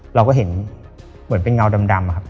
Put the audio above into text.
เราก็เห็นเหมือนเป็นเงาดำอะครับ